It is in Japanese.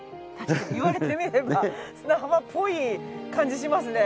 言われてみれば砂浜っぽい感じしますね。